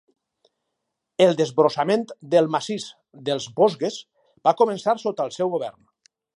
El desbrossament del massís dels Vosges va començar sota el seu govern.